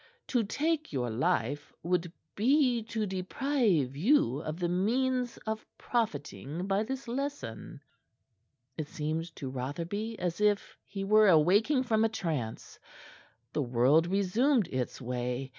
"To take your life would be to deprive you of the means of profiting by this lesson." It seemed to Rotherby as if he were awaking from a trance. The world resumed its way.